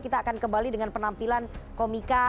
kita akan kembali dengan penampilan komika